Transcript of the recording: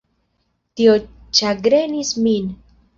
Tio ĉagrenis min.